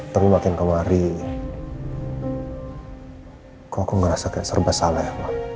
terlalu makin kemarin kok ngerasa kayak serba saleh